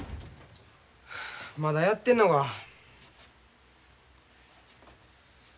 まだやってんのか。